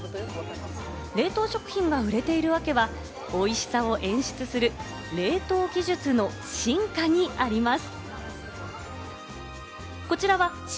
冷凍食品が売れている訳は美味しさを演出する冷凍技術の進化にあります。